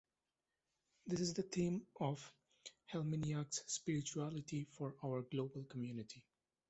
This is the theme of Helminiak's "Spirituality for Our Global Community".